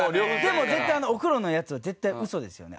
でも絶対お風呂のやつは絶対嘘ですよね。